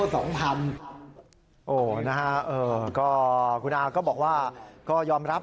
ตอนลูกค้าออกจากร้านไป